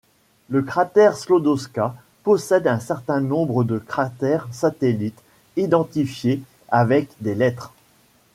Le cratère Sklodowska possède un certain nombre de cratères satellites identifiés avec des lettres.